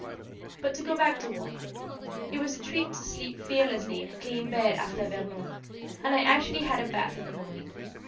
But to go back to Rouen. It was a treat to sleep fearlessly in a clean bed after Vernon, and I actually had a bath in the morning.